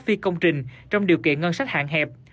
phi công trình trong điều kiện ngân sách hạn hẹp